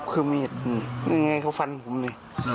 เขามีอาวุธครับเขาฟันผมนี่